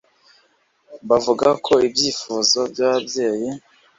Bavuga ko ibyifuzo byababyeyi